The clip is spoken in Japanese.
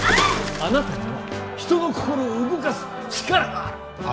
あなたには人の心を動かす力がある！